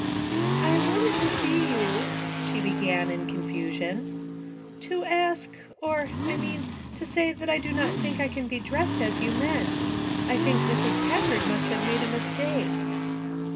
'' I wanted to see you," she began, in confu sion, "to ask, or — I mean, to say that I do not think I can be dressed as you meant; I think Mrs. Packard must have made a mistake."